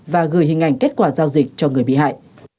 và gửi hình ảnh kết quả giao dịch cho người bị hại